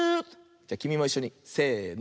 じゃきみもいっしょにせの。